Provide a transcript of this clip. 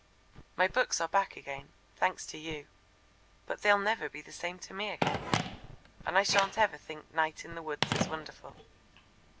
My books are back again, thanks to you, but they'll never be the same to me again, and I shan't ever again think night in the woods is wonderful."